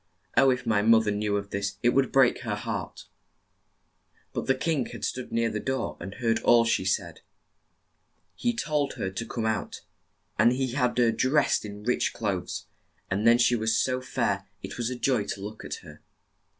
Oh, if my moth er knew of this it would break her heart !'' But the king had stood near the door and heard all she said. He told her to come out, and had her dressed in rich clothes, and then she was so fair it was joy to look at her.